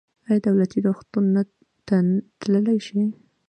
ایا دولتي روغتون ته تللی شئ؟